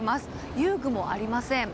遊具もありません。